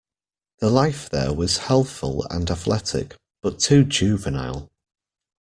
The life there was healthful and athletic, but too juvenile.